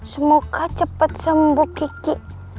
semoga cepat sembuh kiki